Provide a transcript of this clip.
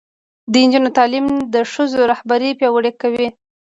د نجونو تعلیم د ښځو رهبري پیاوړې کوي.